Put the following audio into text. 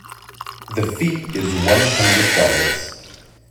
The fee is one hundred dollars.